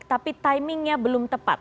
tapi timingnya belum tepat